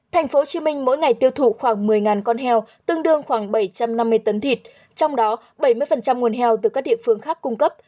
tp hcm mỗi ngày tiêu thụ khoảng một mươi con heo tương đương khoảng bảy trăm năm mươi tấn thịt trong đó bảy mươi nguồn heo từ các địa phương khác cung cấp